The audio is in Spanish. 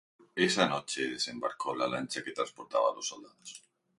Esa noche desembarcó la lancha que transportaba a los soldados.